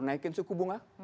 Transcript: naikin suku bunga